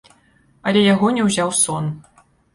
Але яго не ўзяў сон.